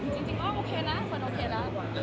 จริงโอเคละฟันโอเคละ